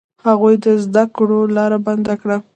هغوی د زده کړو لاره بنده کړه.